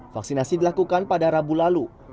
vaksinasi dilakukan pada rabu lalu